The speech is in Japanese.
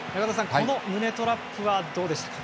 この胸トラップはどうでしたか？